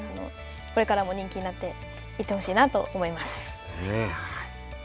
これからも人気になっていってほしいなと思います。